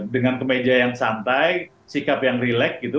dengan kemeja yang santai sikap yang relax gitu